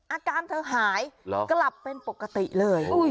อาการเธอหายกลับเป็นปกติเลย